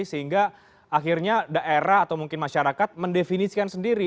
sehingga akhirnya daerah atau mungkin masyarakat mendefinisikan sendiri